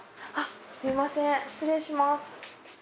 すみません失礼します。